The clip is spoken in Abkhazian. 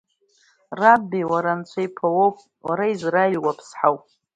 Рабби, Уара Анцәа Иԥа уоуп, Уара Израил Уаԥсҳауп.